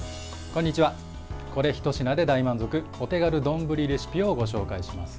これ、ひと品で大満足お手軽、丼レシピをご紹介します。